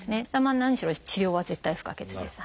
何しろ治療は絶対不可欠です。